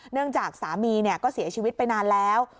เนื่องจากสามีเนี่ยก็เสียชีวิตไปนานแล้ว